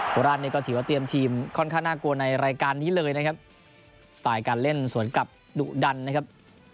ราชเนี่ยก็ถือว่าเตรียมทีมค่อนข้างน่ากลัวในรายการนี้เลยนะครับสไตล์การเล่นสวนกลับดุดันนะครับ